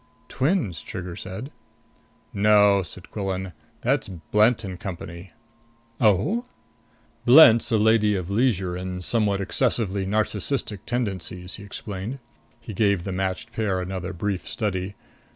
"Twins," Trigger said. "No," said Quillan. "That's Blent and Company." "Oh?" "Blent's a lady of leisure and somewhat excessively narcissistic tendencies," he explained. He gave the matched pair another brief study.